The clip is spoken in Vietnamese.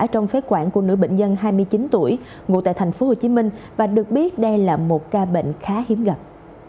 trong phế quản của nữ bệnh nhân hai mươi chín tuổi ngụ tại tp hcm và được biết đây là một ca bệnh khá hiếm gặp